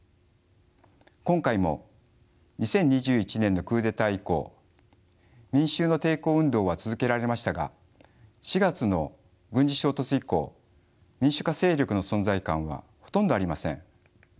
今回も２０２１年のクーデター以降民衆の抵抗運動は続けられましたが４月の軍事衝突以降民主化勢力の存在感はほとんどありません。